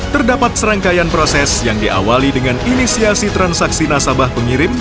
terdapat serangkaian proses yang diawali dengan inisiasi transaksi nasabah pengirim